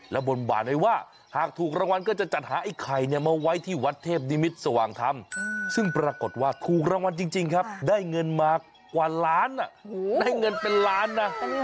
และบนบานไว้ว่าหากถูกรางวัลก็จะจัดหาไอ้ไข่มาไว้ที่วัดเทพนิมิตรสว่างธรรมซึ่งปรากฏว่าถูกรางวัลจริงครับได้เงินมากว่าล้านได้เงินเป็นล้านนะ